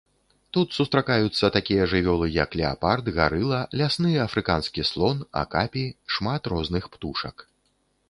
Тут сустракаюцца такія жывёлы, як леапард, гарыла, лясны афрыканскі слон, акапі, шмат розных птушак.